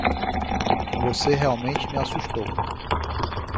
Você realmente me assustou.